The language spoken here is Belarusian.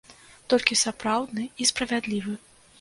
Толькі сапраўдны і справядлівы.